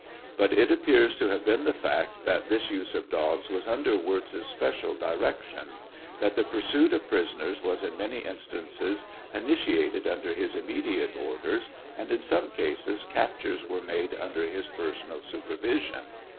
But it appears to have been the fact that this use of dogs was under Wirz's special direction ; that the pursuit of prisoners was in many instances initiated under his immediate orders, and in some cases captures were made under his personal supervision.